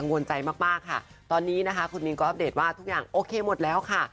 วนใจมากมากค่ะตอนนี้นะคะคุณมินก็อัปเดตว่าทุกอย่างโอเคหมดแล้วค่ะ